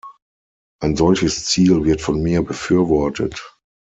Ein solches Ziel wird von mir befürwortet.